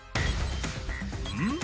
「うん？